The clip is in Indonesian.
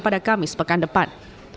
pada kamis pekan depan